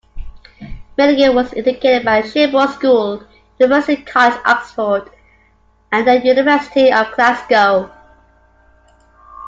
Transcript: Milligan was educated at Sherborne School, University College, Oxford, and the University of Glasgow.